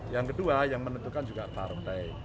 yang kedua yang menentukan juga partai